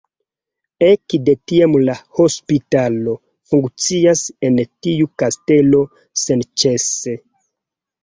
Ekde tiam la hospitalo funkcias en tiu kastelo senĉese.